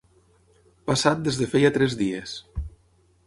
Passat des de feia tres dies.